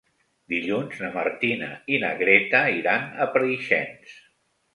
Dilluns na Martina i na Greta iran a Preixens.